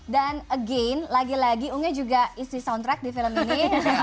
again lagi lagi unge juga isi soundtrack di film ini